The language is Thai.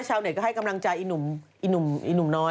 ชาวเน็ตก็ให้กำลังใจหนุ่มน้อย